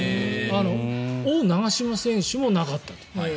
王、長嶋選手もなかった。